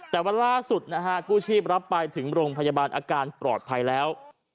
แต่วันล่าสุดนะฮะกู้ชีพรับไปถึงโรงพยาบาลอาการปลอดภัยแล้ว